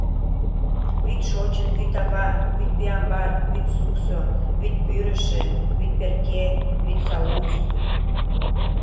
Вӱд Шочын, Вӱд Ава, Вӱд Пиамбар, Вӱд Суксо, Вӱд Пӱрышӧ, Вӱд Перке, Вӱд Саус!